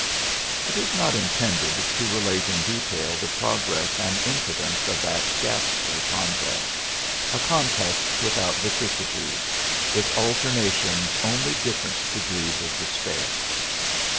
It is not intended to relate in detail the progress and incidents of that ghastly contest a contest without vicissitudes, its alternations only different degrees of despair.